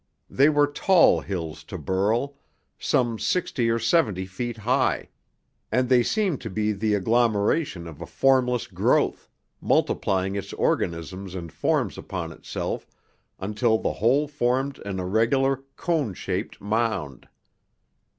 They were tall hills to Burl, some sixty or seventy feet high, and they seemed to be the agglomeration of a formless growth, multiplying its organisms and forms upon itself until the whole formed an irregular, cone shaped mound.